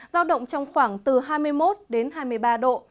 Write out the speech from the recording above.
giao động trong khoảng từ hai mươi một đến hai mươi ba độ